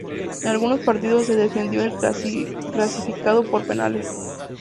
En algunos partidos se definió al clasificado por penales.